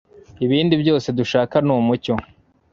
Ibindi byose dushaka Numucyo